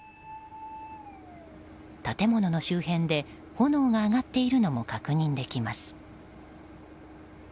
建物の周辺で炎が上がっているのも確認できます。